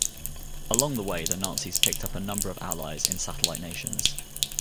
Along the way, the Nazis picked up a number of allies in satellite nations.